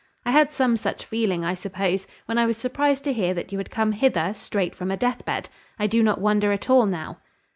I had some such feeling, I suppose, when I was surprised to hear that you had come hither straight from a deathbed: I do not wonder at all now."